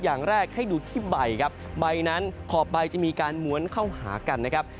อย่างแรกให้ดูที่ใบครับใบนั้นขอบใบจะมีการม้วนเข้าหากันนะครับ